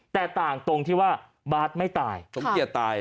แต่ต่างตรงที่ว่าบาทไม่ตายสมเกียจตาย